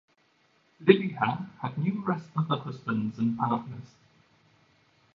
Liliha had numerous other husbands and partners.